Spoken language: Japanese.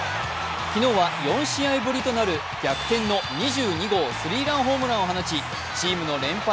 昨日は４試合ぶりとなる逆転の２２号スリーランホームランを打ちチームの連敗